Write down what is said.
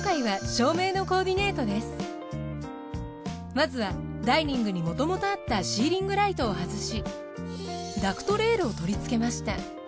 まずはダイニングにもともとあったシーリングライトを外しダクトレールを取り付けました。